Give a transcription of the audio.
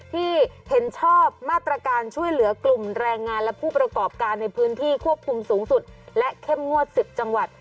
ที่เห็นชอบมาตรการช่วยเหลือกลุ่มแรงงานและผู้ประกอบการในพื้นที่ควบคุมสูงสุดและเข้มงวด๑๐จังหวัด